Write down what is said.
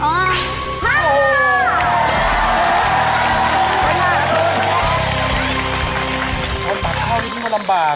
การ์ตูนปากข้าวนิดนึงก็ลำบาก